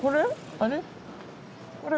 あれ？